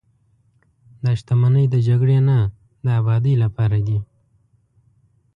دا شتمنۍ د جګړې نه، د ابادۍ لپاره دي.